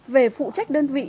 về phụ trách đơn vị